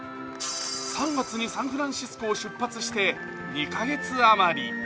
３月にサンフランシスコを出発して２カ月余り。